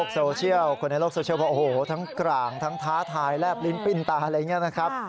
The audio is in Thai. โซเชียลคนในโลกโซเชียลบอกโอ้โหทั้งกลางทั้งท้าทายแลบลิ้นปิ้นตาอะไรอย่างนี้นะครับ